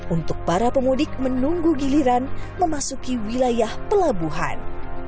untuk para pemudik menunggu giliran memasuki wilayah pelabuhan